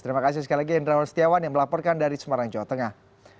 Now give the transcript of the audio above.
terima kasih sekali lagi indrawan setiawan yang melaporkan dari semarang jawa tengah